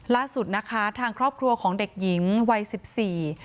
ล่าสุดนะคะทางครอบครัวของเด็กหญิงวัยสิบสี่